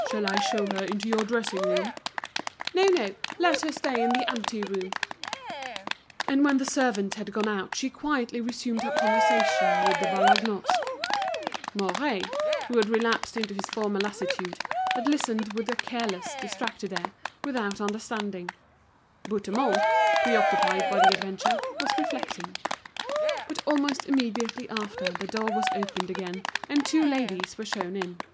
"Shall I show her into your dressing room?" "No, no. Let her stay in the ante room!" And when the servant had gone out she quietly resumed her conversation with De Vallagnosc. Mouret, who had relapsed into his former lassitude, had listened with a careless, distracted air, without understanding. Bouthemont, preoccupied by the adventure, was reflecting. But almost immediately after the door was opened again, and two ladies were shown in.